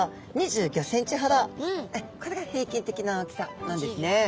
これが平均的な大きさなんですね。